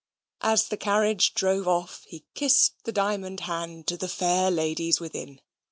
As the carriage drove off he kissed the diamond hand to the fair ladies within.